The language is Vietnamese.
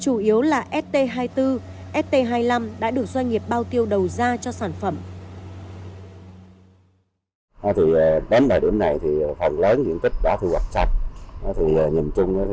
chủ yếu là st hai mươi bốn st hai mươi năm đã được doanh nghiệp bao tiêu đầu ra cho sản phẩm